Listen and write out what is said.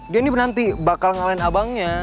dia ini bernanti bakal ngalahin abangnya